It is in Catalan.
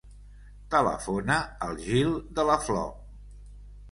Telefona al Gil De La Flor.